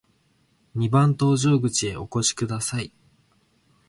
二番搭乗口へお越しください。